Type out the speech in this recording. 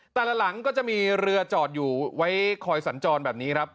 หลังก็จะมีเรือจอดอยู่ไว้คอยสัญจรแบบนี้ครับ